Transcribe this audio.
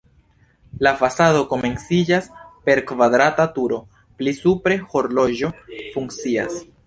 La fasado komenciĝas per kvadrata turo, pli supre horloĝo funkcias.